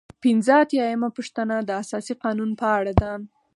پنځه اتیا یمه پوښتنه د اساسي قانون په اړه ده.